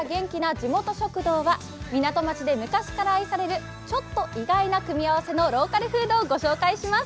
地元食堂」は港町で昔から愛されるちょっと意外な組み合わせのローカルフードをご紹介します。